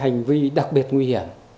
hành vi đặc biệt nguy hiểm